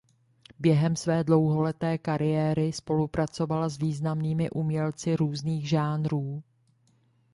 Během své dlouholeté kariéry spolupracovala s významnými umělci různých žánrů.